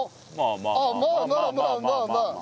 ああまあまあまあまあまあ。